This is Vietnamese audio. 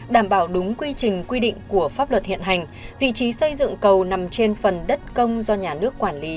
đảm bảo đúng quy trình quy định của pháp luật hiện hành vị trí xây dựng cầu nằm trên phần đất công do nhà nước quản lý